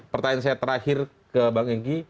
pertanyaan saya terakhir ke bang engki